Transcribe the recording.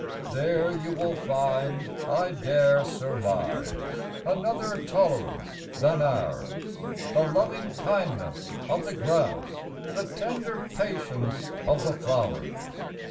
There you will find, I dare surmise, Another tolerance than ours, The loving kindness of the grass, The tender patience of the flowers.